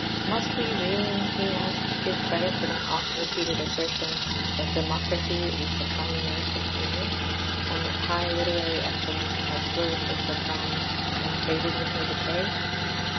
2 "Must we really," he asked, "give credit to that oft repeated assertion that democracy is the kind nurse of genius, and that high literary excellence has flourished with her prime and faded with her decay?